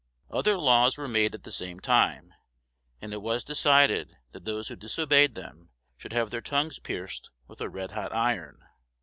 Other laws were made at the same time, and it was decided that those who disobeyed them should have their tongues pierced with a red hot iron.